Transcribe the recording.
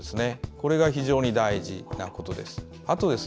これが非常に大事なことです。